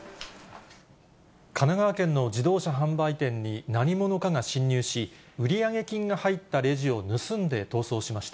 神奈川県の自動車販売店に何者かが侵入し、売上金が入ったレジを盗んで逃走しました。